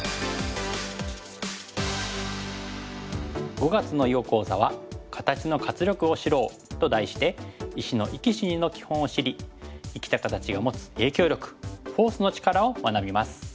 ５月の囲碁講座は「形の活力を知ろう」と題して石の生き死にの基本を知り生きた形が持つ影響力フォースの力を学びます。